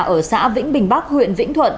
ở xã vĩnh bình bắc huyện vĩnh thuận